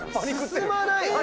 進まない。